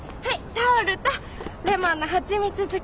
タオルとレモンのハチミツ漬け。